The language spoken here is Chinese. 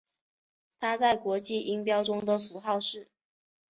它在国际音标中的符号是。